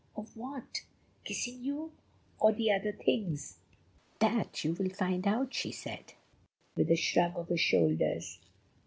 "Of what? Kissing you? Or the other things?" "That you will find out," she said, with a shrug of her shoulders.